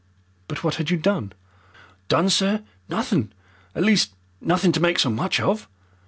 "But what had you done?" "Done, sir! Nothing. At least nothing to make so much of.